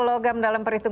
halo mbak desy baik